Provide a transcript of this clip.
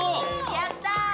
やった。